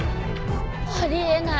あり得ない。